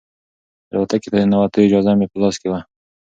الوتکې ته د ننوتلو اجازه مې په لاس کې وه.